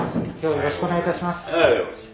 あよろしくお願いします。